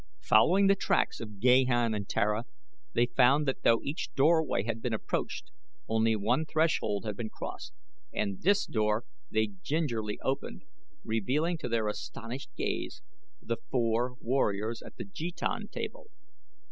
Following the tracks of Gahan and Tara they found that though each doorway had been approached only one threshold had been crossed and this door they gingerly opened, revealing to their astonished gaze the four warriors at the jetan table.